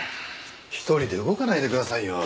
１人で動かないでくださいよ。